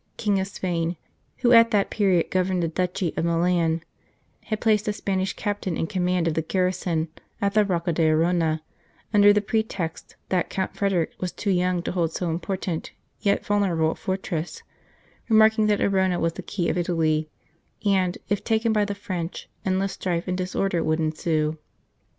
King of Spain, who at that period governed the duchy of Milan, had placed a Spanish Captain in command of the garrison at the Rocca d Arona, under the pretext that Count Frederick was too young to hold so important yet vulnerable a fortress, remarking that Arona was the key of Italy, and, if taken by the French, endless strife and disorder would ensue.